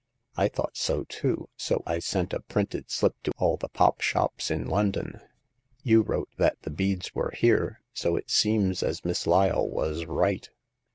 I thought so too, so I sent a printed slip to all the pop shops in London. You wrote that the beads were here, so it seems as Miss Lyle was right."